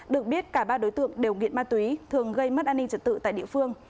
được biết cả ba đối tượng đều nghiện ma túy thường gây mất an ninh trật tự tại địa phương